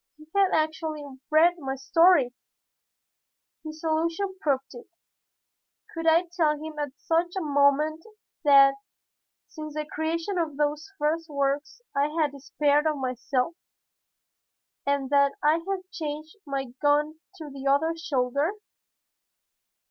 He had actually read my story! His allusion proved it. Could I tell him at such a moment that since the creation of those first works I had despaired of myself, and that I had changed my gun to the other shoulder?